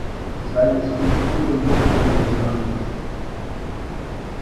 Seine Skulpturen wirken organisch.